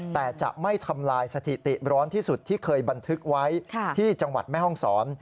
แต่จะไม่ทำลายสถิติร้อนที่สุดที่เคยบันทึกไว้ที่จังหวัดแม่ห้องศร